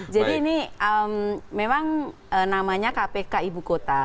jadi ini memang namanya kpk ibu kota